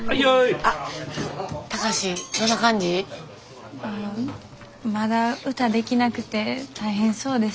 ああまだ歌できなくて大変そうです。